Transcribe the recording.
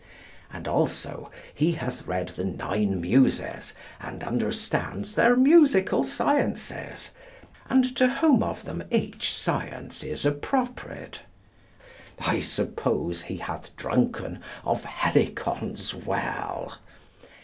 And also he hath read the nine Muses, and understands their musical sciences, and to whom of them each, science is appropred. I suppose he hath drunken of Helicon's well.